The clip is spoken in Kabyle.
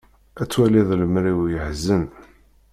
Ad twalid lemri-w yeḥzen.